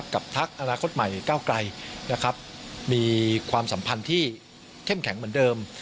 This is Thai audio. พักอนาคตใหม่ก้าวไกลนะครับมีความสัมพันธ์ที่เข้มแข็งเหมือนเดิม